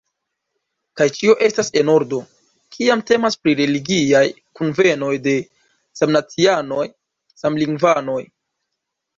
Kaj ĉio estas en ordo, kiam temas pri religiaj kunvenoj de samnacianoj, samlingvanoj.